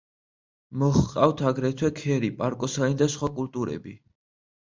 მოჰყავთ აგრეთვე ქერი, პარკოსანი და სხვა კულტურები.